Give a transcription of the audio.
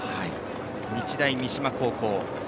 日大三島高校。